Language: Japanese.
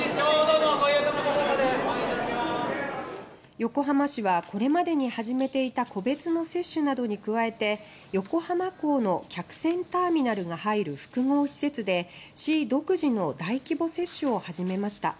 横浜市は、これまでに始めていた個別の接種に加えて横浜港の客船ターミナルが入る複合施設で市独自の大規模接種を始めました。